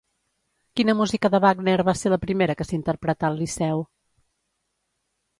Quina música de Wagner va ser la primera que s'interpretà al Liceu?